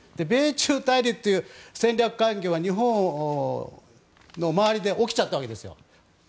米中対立という戦略環境が日本の周りで起きちゃったわけですよ。